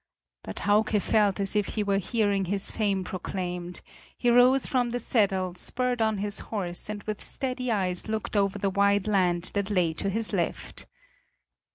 But Hauke felt as if he were hearing his fame proclaimed; he rose from his saddle, spurred on his horse and with steady eyes looked over the wide land that lay to his left.